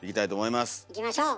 いきましょう。